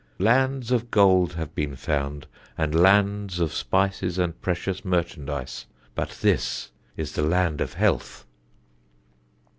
Lands of gold have been found, and lands of spices and precious merchandise: but this is the land of health."